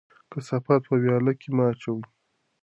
کثافات په ویاله کې مه اچوئ.